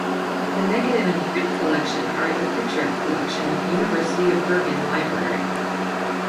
The negative and print collection are at The Picture Collection, University of Bergen Library.